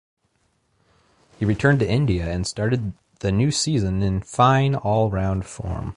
He returned to India and started the new season in fine all-round form.